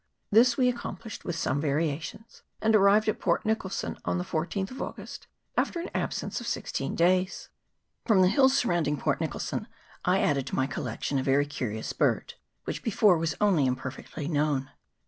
This we accomplished with some variations, and arrived at Port Nicholson on the 14th of August, after an absence of sixteen days. From the hills surrounding Port Nicholson I added to my collection a very curious bird, which before was only imperfectly known.